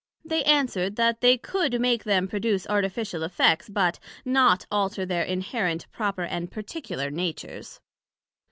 They answered, That they could make them produce artificial effects, but not alter their inherent, proper and particular natures.